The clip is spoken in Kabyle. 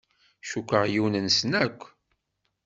Cukkeɣ yiwen-nsen akk.